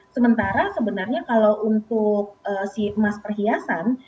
sementara sebenarnya kalau untuk si emas perhiasan